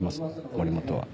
森本は。